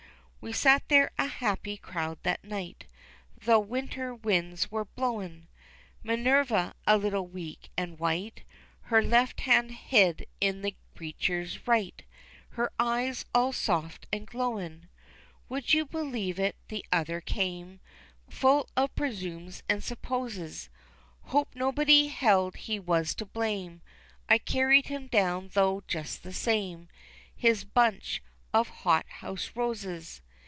We sat there a happy crowd that night, Though winter winds were blowin', Minerva, a little weak and white, Her left hand hid in the preacher's right, Her eyes all soft an' glowin'. Would you believe it, the other came, Full of presumes and supposes, Hoped nobody held he was to blame, I carried him down, though, just the same, His bunch of hot house roses.